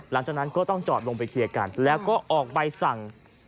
หลังจากนั้นก็ต้องจอดลงไปเคลียร์กันแล้วก็ออกใบสั่ง